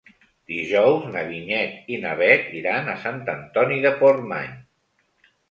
Dijous na Vinyet i na Bet iran a Sant Antoni de Portmany.